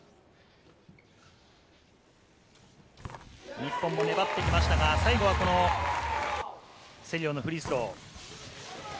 日本も粘ってきましたが、最後はセリオのフリースロー。